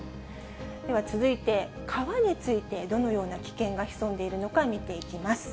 では続いて、川についてどのような危険が潜んでいるのか見ていきます。